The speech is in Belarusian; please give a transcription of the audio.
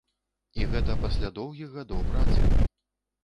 І гэта пасля доўгіх гадоў працы!